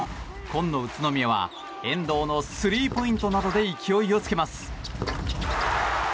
紺の宇都宮は遠藤のスリーポイントなどで勢いをつけます。